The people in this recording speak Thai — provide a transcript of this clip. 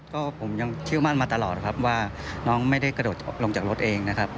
ก็ผมยังเชื่อมั่นมาตลอดครับว่าน้องไม่ได้กระโดดลงจากรถเองนะครับ